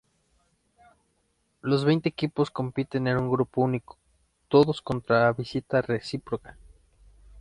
Los veinte equipos compiten en un grupo único, todos contra todos a visita reciproca.